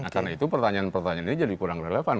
karena itu pertanyaan pertanyaan ini jadi kurang relevan